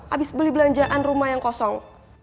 habis beli belanjaan rumah yang kosong